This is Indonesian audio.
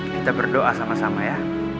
kita berdoa sama sama ya